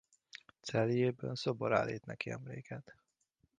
Celjében szobor állít neki emléket.